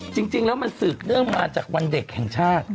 จริงแล้วมันสืบเนื่องมาจากวันเด็กแห่งชาติ